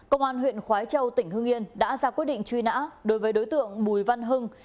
công an huyện khói châu tỉnh hương yên đã ra quyết định truy nã đối với đối tượng bùi văn hưng